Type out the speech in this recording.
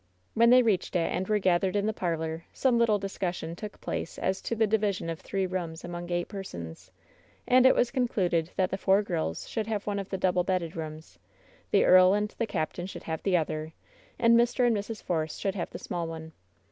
When they reached it and were gathered in the par lor some little discussion took place as to the division of three rooms among eight persons. And it was con cluded that the four girls should have one of the double bedded rooms; the earl and the captain should have the other; and Mr. and Mrs. Force should have the small one.